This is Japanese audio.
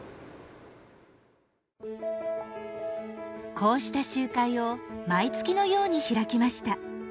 こうした集会を毎月のように開きました。